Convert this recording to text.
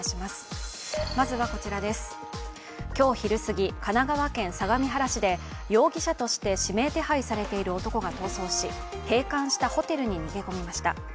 今日昼過ぎ、神奈川県相模原市で容疑者として指名手配されている男が逃走し閉館したホテルに逃げ込みました。